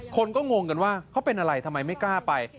คนก็งงกันว่าเขาเป็นอะไรทำไมไม่กล้าไป